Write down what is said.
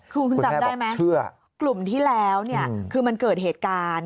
คือคุณจำได้ไหมกลุ่มที่แล้วเนี่ยคือมันเกิดเหตุการณ์